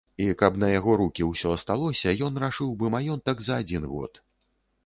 І каб на яго рукі ўсё асталося, ён рашыў бы маёнтак за адзін год.